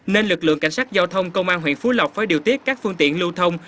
nên lực lượng cảnh sát giao thông công an huyện phú lộc phải điều tiết các phương tiện lưu thông